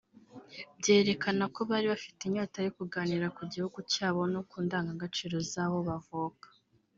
byerekana ko bari bafite inyota yo kuganira ku gihugu cyabo no ku ndangagaciro zaho bavuka